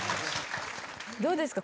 どうですか？